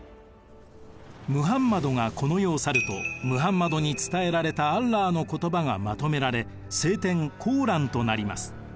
ムハンマドがこの世を去るとムハンマドに伝えられたアッラーの言葉がまとめられ聖典「コーラン」となります。